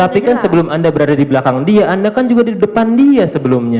tapi kan sebelum anda berada di belakang dia anda kan juga di depan dia sebelumnya